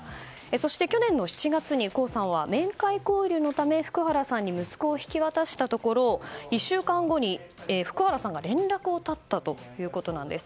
そして去年の７月に江さんは面会交流のため福原さんに息子を引き渡したところ１週間後に福原さんが連絡を絶ったということなんです。